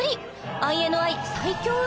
ＩＮＩ最強運